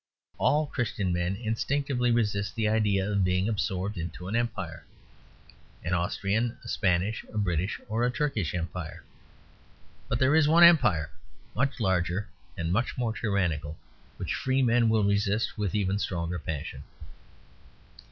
All Christian men instinctively resist the idea of being absorbed into an Empire; an Austrian, a Spanish, a British, or a Turkish Empire. But there is one empire, much larger and much more tyrannical, which free men will resist with even stronger passion.